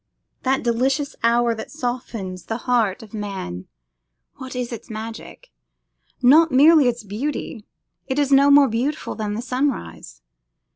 That delicious hour that softens the heart of man, what is its magic? Not merely its beauty; it is not more beautiful than the sunrise.